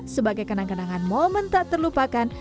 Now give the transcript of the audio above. sebagai kenang kenangan momen tak terlupakan